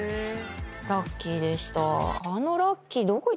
ラッキーでした。